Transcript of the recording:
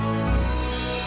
bikin exit perhatian mu